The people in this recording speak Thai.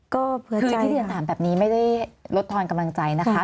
ก็คือที่เรียนถามแบบนี้ไม่ได้ลดทอนกำลังใจนะคะ